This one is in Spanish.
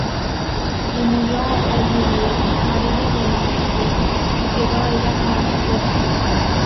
Y murió Elimelech, marido de Noemi, y quedó ella con sus dos hijos;